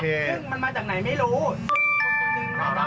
แต่ผมไม่ยอมรับตรงที่ผมไม่ได้ซื้อ